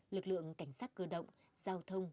lực lượng cảnh sát cơ động giao thông